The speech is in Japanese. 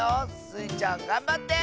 スイちゃんがんばって！